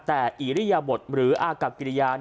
แต่อิริยบทหรืออากับกิริยา